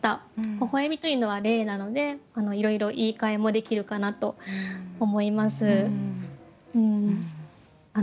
微笑みというのは例なのでいろいろ言いかえもできるかなと思います。